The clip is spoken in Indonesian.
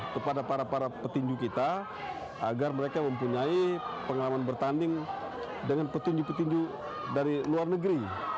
kepada para para petinju kita agar mereka mempunyai pengalaman bertanding dengan petinju petinju dari luar negeri